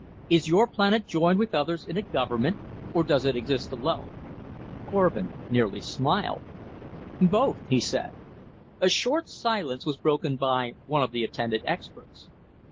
Is your planet joined with others in a government or does it exist alone?" Korvin nearly smiled. "Both," he said. A short silence was broken by one of the attendant experts.